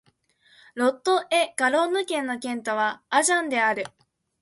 ロット＝エ＝ガロンヌ県の県都はアジャンである